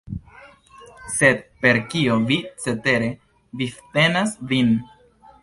Sed per kio vi cetere vivtenas vin?